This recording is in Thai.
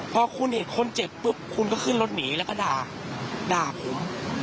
พอคุณเห็นคนเจ็บปุ๊บคุณก็ขึ้นรถหนีแล้วก็ด่าด่าผม